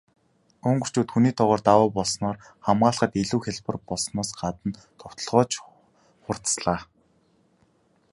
Унгарчууд хүний тоогоор давуу болсноороо хамгаалахад илүү хялбар болсноос гадна довтолгоо ч хурдаслаа.